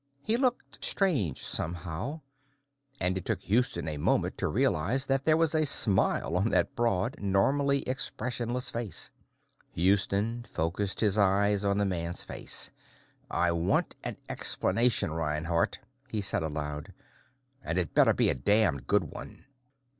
He looked strange, somehow, and it took Houston a moment to realize that there was a smile on that broad, normally expressionless face. Houston focussed his eyes on the man's face. "I want an explanation, Reinhardt," he said aloud. "And it better be a damned good one."